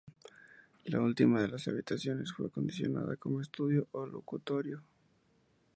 La última de las habitaciones fue acondicionada como estudio o locutorio.